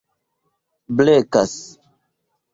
blekas